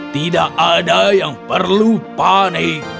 tidak ada yang perlu panik